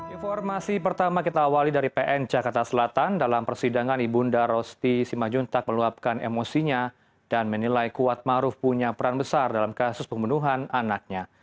informasi pertama kita awali dari pn jakarta selatan dalam persidangan ibunda rosti simajuntak meluapkan emosinya dan menilai kuat maruf punya peran besar dalam kasus pembunuhan anaknya